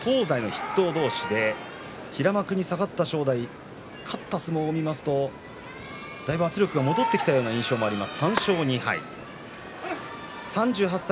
東西の筆頭同士平幕に下がった正代勝った相撲を見るとだいぶ圧力が戻ってきたように見えます。